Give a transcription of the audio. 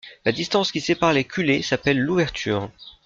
La distance qui sépare les culées s'appelle l'ouverture.